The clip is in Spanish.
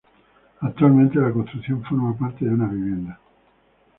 Actualmente la construcción forma parte de una vivienda.